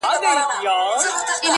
نفیب ټول ژوند د غُلامانو په رکم نیسې.